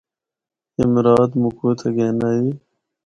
اے مراد مُکّو اِتھا گِن آئی۔